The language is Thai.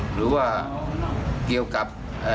หรือว่าเกี่ยวกับ